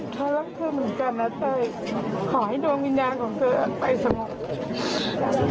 ท้องรักเธอเหมือนกันนะเต้ยขอให้โดยวิญญาณของเธอไปสมมุติ